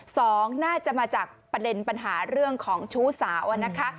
สองน่าจะมาจากประเด็นปัญหาเรื่องของชู้สาวอะนะคะ